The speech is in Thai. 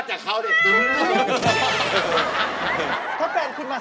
เฮ้ยอย่าลืมฟังเพลงผมอาจารย์นะ